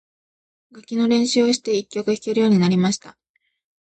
楽器の練習をして、一曲弾けるようになりました。